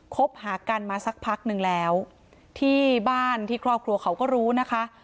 คบหากันมาสักพักนึงแล้วที่บ้านที่ครอบครัวเขาก็รู้นะคะ